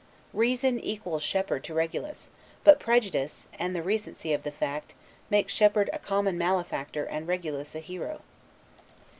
Reason equals Shepherd to Regulus; but prejudice, and the recency of the fact, make Shepherd a common malefactor and Regulus a hero.